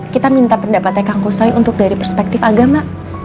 kita minta pendapatnya kang kusay untuk dari perspektif agama